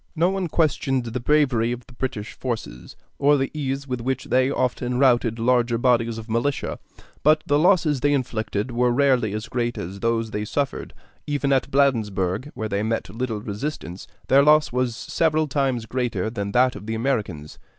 No one questioned the bravery of the British forces, or the ease with which they often routed larger bodies of militia; but the losses they inflicted were rarely as great as those they suffered. Even at Bladensburg, where they met little resistance, their loss was several times greater than that of the Americans.